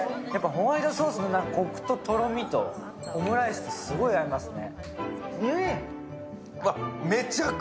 ホワイトソースのコクととろみと、オムライス、すごい合いますね。